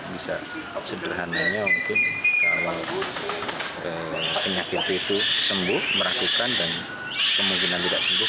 bisa sederhananya mungkin kalau penyakit itu sembuh meragukan dan kemungkinan tidak sembuh